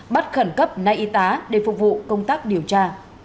bắt khẩn cấp nay y tá để phục vụ công tác điều tra